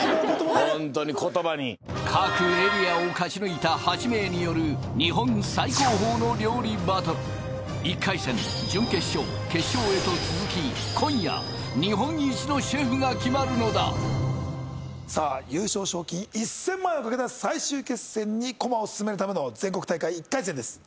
本当に言葉に各エリアを勝ち抜いた８名による日本最高峰の料理バトル１回戦準決勝決勝へと続きさあ優勝賞金１０００万円を懸けた最終決戦に駒を進めるための全国大会１回戦です